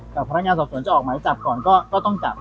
แต่พนักงานสอบสวนจะออกหมายจับก่อนก็ต้องจับ